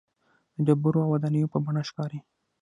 د ډبرو او ودانیو په بڼه ښکاري.